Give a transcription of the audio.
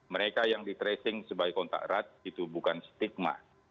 mereka yang di tracing sebagai kontak erat itu bukan stigma